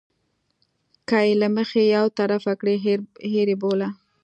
که یې له مخې یو طرفه کړي هېر یې بوله.